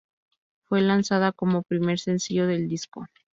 Fue lanzada como primer sencillo del disco.